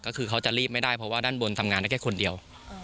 ก็คือเขาจะรีบไม่ได้เพราะว่าด้านบนทำงานได้แค่คนเดียว